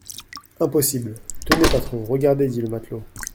Impossible ! Tenez, patron, regardez, dit le matelot.